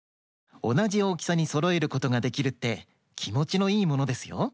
おなじおおきさにそろえることができるってきもちのいいものですよ。